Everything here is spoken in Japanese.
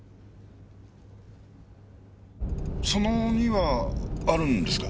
その２はあるんですか？